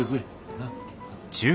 なっ。